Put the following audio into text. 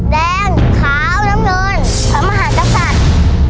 แดงขาวน้ำเงินพระมหากษัตริย์